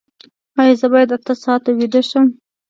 ایا زه باید اته ساعته ویده شم؟